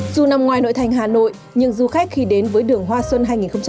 dù nằm ngoài nội thành hà nội nhưng du khách khi đến với đường hoa xuân hai nghìn hai mươi